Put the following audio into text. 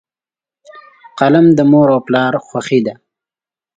قلم د مور او پلار خوښي ده.